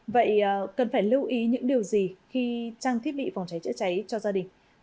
vậy cần phải lưu ý những điều gì khi trang thiết bị phòng cháy chữa cháy cho gia đình